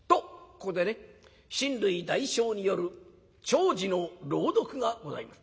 ここでね親類代表による弔辞の朗読がございます。